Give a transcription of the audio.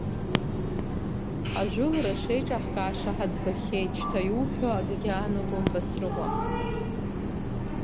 Ажәылара шеиҿаҳкааша ҳаӡбахьеит, шьҭа иуҳәо акгьы аанагом Басрыҟәа!